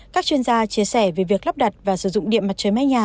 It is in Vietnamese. các chuyên gia chia sẻ về việc lắp đặt và sử dụng điện mặt trời mái nhà